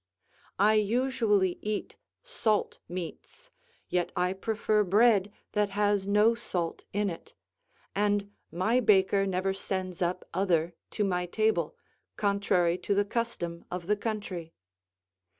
I usually eat salt meats, yet I prefer bread that has no salt in it; and my baker never sends up other to my table, contrary to the custom of the country.